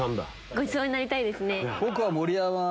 ごちそうになりたいですね。